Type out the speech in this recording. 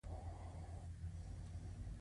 د تبادلو تکامل تر لوړې کچې ورسید.